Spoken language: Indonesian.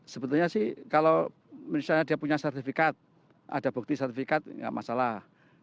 sebetulnya sih kalau misalnya dia punya sertifikat ada bukti sertifikat nggak masalah